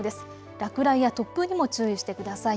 落雷や突風にも注意してください。